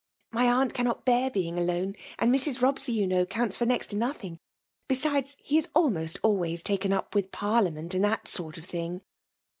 — iny aunt cannot bear bebg done ; and Mr. Bobsey, you know, counts for next to nothing. Besides, he is almost always taken up with Parliament and that sort of thing."